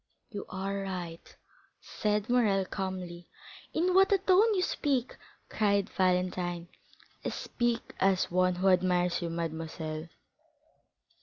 "You are right," said Morrel, calmly. "In what a tone you speak!" cried Valentine. "I speak as one who admires you, mademoiselle."